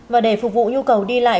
và để phục vụ nhu cầu đi lại